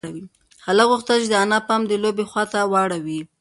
هلک غوښتل چې د انا پام د لوبې خواته واړوي.